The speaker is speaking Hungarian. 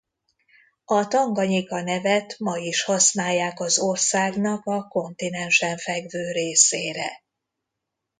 A Tanganyika nevet ma is használják az országnak a kontinensen fekvő részére.